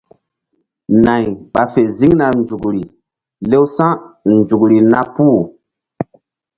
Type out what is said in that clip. Nay ɓa fe ziŋna nzukri lewsa̧nzukri na puh.